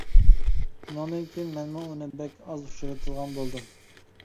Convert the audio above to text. شۇنىڭدىن كېيىن مەنمۇ ئۇنى بەك ئاز ئۇچرىتىدىغان بولدۇم.